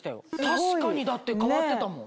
確かにだって変わってたもん。